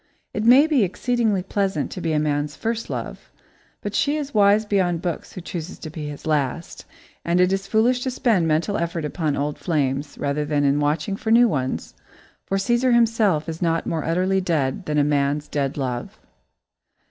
It may be exceedingly pleasant to be a man's first love, but she is wise beyond books who chooses to be his last, and it is foolish to spend mental effort upon old flames, rather than in watching for new ones, for Cæsar himself is not more utterly dead than a man's dead love.